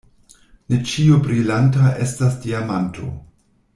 Ne ĉio brilanta estas diamanto.